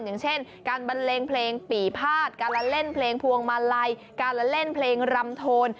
อย่างเช่นการบันเลงเพลงปี่พาดการละเล่นเพลงพวงมาลัยการละเล่นเพลงรำโทน